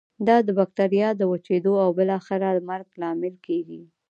دا د بکټریا د وچیدو او بالاخره مرګ لامل کیږي.